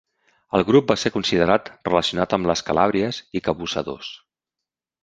El grup va ser considerat relacionat amb les calàbries i cabussadors.